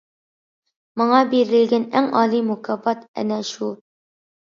ماڭا بېرىلگەن ئەڭ ئالىي مۇكاپات ئەنە شۇ.